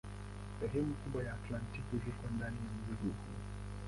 Sehemu kubwa ya Antaktiki ziko ndani ya mzingo huu.